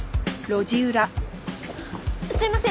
すいません！